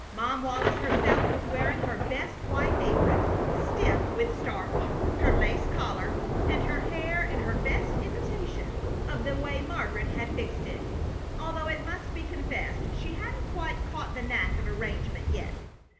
Mom Wallis herself was wearing her best white apron, stiff with starch, her lace collar, and her hair in her best imitation of the way Margaret had fixed it, although it must be confessed she hadn't quite caught the knack of arrangement yet.